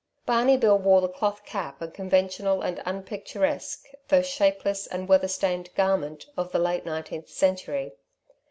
Barney Bill wore the cloth cap and conventional and unpicturesque, though shapeless and weather stained, garment of the late nineteenth century.